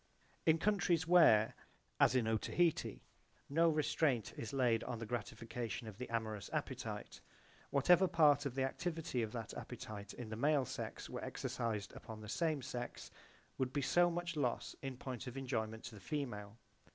/ In countries where, as in Otaheite, no restraint is laid on the gratification of the amorous appetite, whatever part of the activity of that appetite in the male sex were exercised upon the same sex would be so much loss in point of enjoyment to the female.